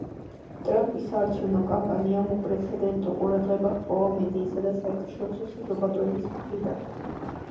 ტრამპის საარჩევნო კამპანიამ უპრეცედენტო ყურადღება ჰპოვა მედიისა და საერთაშორისო საზოგადოების მხრიდან.